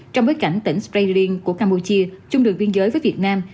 trong bối cảnh tỉnh srelin của campuchia chung đường biên giới với việt nam